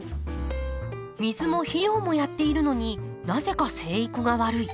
水も肥料もやっているのになぜか生育が悪い。